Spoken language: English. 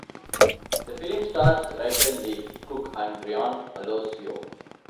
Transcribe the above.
The film stars Rachael Leigh Cook and Ryan Alosio.